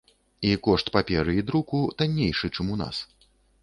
І кошт паперы і друку таннейшы, чым у нас.